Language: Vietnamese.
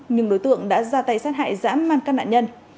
nhưng đối tượng đã ra tay sát hại dã man các nạn nhân